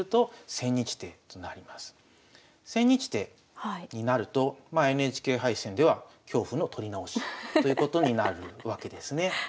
千日手になるとまあＮＨＫ杯戦では恐怖の撮り直しということになるわけですね。